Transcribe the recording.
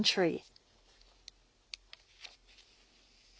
はい。